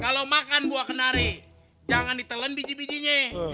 kalo makan buah kenari jangan ditelan biji bijinya